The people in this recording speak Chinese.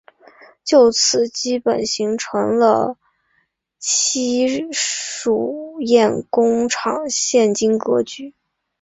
就此基本形成了戚墅堰工厂现今格局。